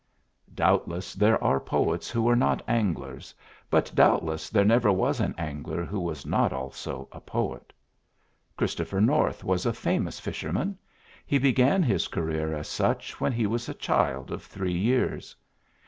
Doubtless there are poets who are not anglers, but doubtless there never was an angler who was not also a poet. Christopher North was a famous fisherman; he began his career as such when he was a child of three years.